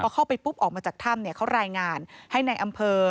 พอเข้าไปปุ๊บออกมาจากถ้ำเนี่ยเขารายงานให้ในอำเภอ